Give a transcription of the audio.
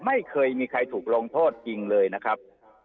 ไม่เคยมีใครถูกลงโทษจริงเลยนะครับ